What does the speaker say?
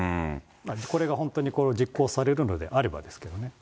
これが本当に実行されるのであればですけどね。